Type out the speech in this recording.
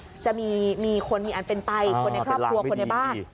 อยู่บนหลังคาจะมีคนเป็นใต่คนในครอบครัวคนในบ้าน